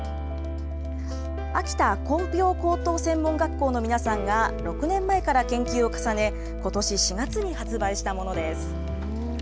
秋田工業高等専門学校の皆さんが６年前から研究を重ね、ことし４月に発売したものです。